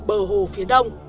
bờ hồ phía đông